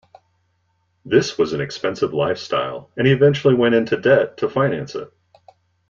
This was an expensive lifestyle and he eventually went into debt to finance it.